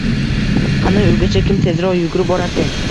“Qani, uygacha kim tezroq yugurib borarkin”